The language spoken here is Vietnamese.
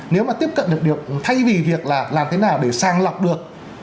nếu mà tiếp cận được điều thay vì việc là làm thế nào để sàng lọc được